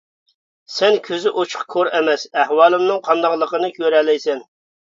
سەن كۆزى ئوچۇق كور ئەمەس، ئەھۋالىمنىڭ قانداقلىقىنى كۆرەلەيسەن.